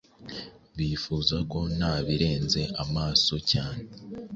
Bifuza ko nabirenze amaso cyane